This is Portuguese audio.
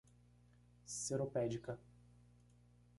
Seropédica